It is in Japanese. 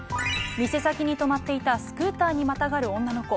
店先に止まっていたスクーターにまたがる女の子。